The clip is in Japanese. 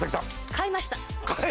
買いました